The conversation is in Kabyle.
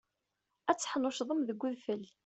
Ad teḥnuccḍem deg udfel.